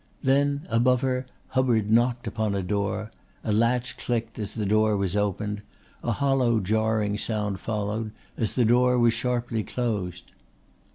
Then above her Hubbard knocked upon a door, a latch clicked as the door was opened, a hollow jarring sound followed as the door was sharply closed.